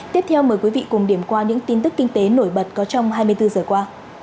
tiếp theo mời quý vị cùng điểm qua những tin tức kinh tế nổi bật có trong hai mươi bốn giờ qua